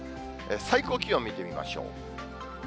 最高気温見てみましょう。